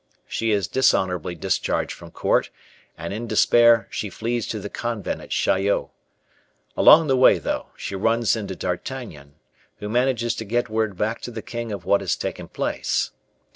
She is dishonorably discharged from court, and in despair, she flees to the convent at Chaillot. Along the way, though, she runs into D'Artagnan, who manages to get word back to the king of what has taken place.